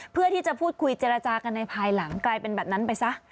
เพื่อที่จะพูดคุยเจรจากันในภายหลังกลายเป็นแบบนั้นไปซะ